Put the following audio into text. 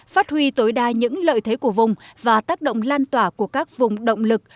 phát huy tối đa những lợi thế của vùng và tác động lan tỏa của các vùng động lực